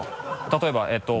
例えばえっと。